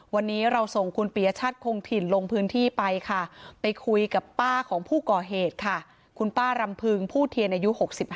วันนี้เราส่งคุณปียชาติคงถิ่นลงพื้นที่ไปค่ะไปคุยกับป้าของผู้ก่อเหตุค่ะคุณป้ารำพึงผู้เทียนอายุ๖๕